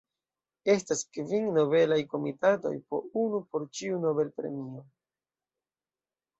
Estas kvin Nobelaj Komitatoj, po unu por ĉiu Nobel-premio.